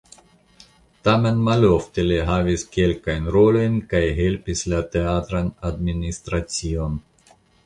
Tamen malofte li havis kelkajn rolojn kaj helpis la teatran administracion.